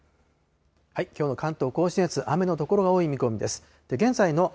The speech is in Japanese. きょうの関東甲信越、雨の所が多い見込みです。